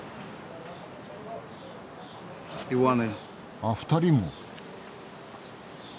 あっ２人も。